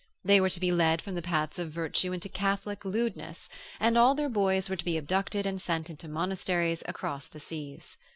They were to be led from the paths of virtue into Catholic lewdnesses, and all their boys were to be abducted and sent into monasteries across the seas.